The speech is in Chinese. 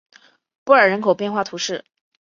布尔人口变化图示